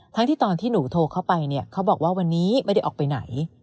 ทั้งที่ตอนที่หนูโทรเข้าไปเนี่ยเขาบอกว่าวันนี้ไม่ได้ออกไปไหน